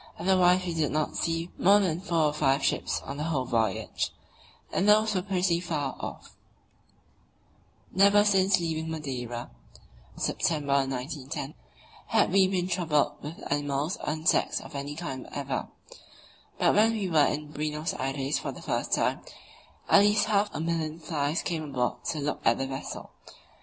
Otherwise we did not see more than four or five ships on the whole voyage, and those were pretty far off: Never since leaving Madeira (September, 1910) had we been troubled with animals or insects of any kind whatever; but when we were in Buenos Aires for the first time, at least half a million flies came aboard to look at the vessel.